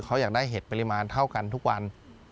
เขาอยากได้เห็ดปริมาณเท่ากันทุกวัน